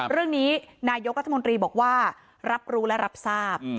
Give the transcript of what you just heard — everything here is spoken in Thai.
เรื่องนี้นายกรัฐมนตรีบอกว่ารับรู้และรับทราบ